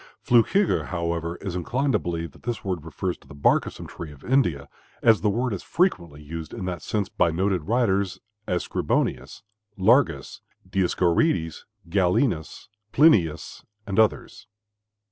Flückiger, however, is inclined to believe that this word refers to the bark of some tree of India, as the word is frequently used in that sense by noted writers, as Scribonius, Largus, Dioscorides, Galenus, Plinius, and others.